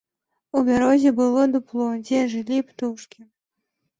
У бярозе было дупло, дзе жылі птушкі.